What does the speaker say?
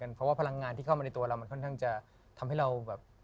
เพราะว่าพลังงานที่เข้ามาในตัวเรามันค่อนข้างจะทำให้เราแบบ